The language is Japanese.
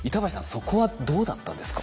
そこはどうだったんですか？